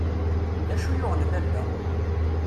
D acu yuɣen lalla?